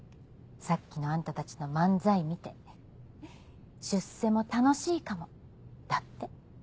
さっきのあんたたちの漫才見て「出世も楽しいかも」だって。